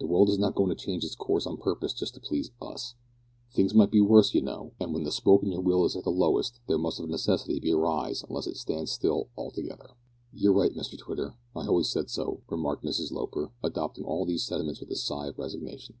The world is not goin' to change its course on purpose to please us. Things might be worse, you know, and when the spoke in your wheel is at its lowest there must of necessity be a rise unless it stands still altogether." "You're right, Mr Twitter. I always said so," remarked Mrs Loper, adopting all these sentiments with a sigh of resignation.